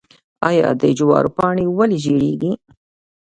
آیا د جوارو پاڼې ولې ژیړیږي؟